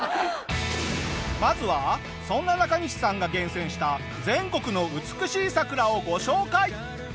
まずはそんなナカニシさんが厳選した全国の美しい桜をご紹介。